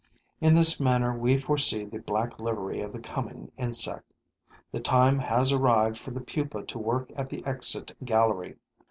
In this manner we foresee the black livery of the coming insect. The time has arrived for the pupa to work at the exit gallery.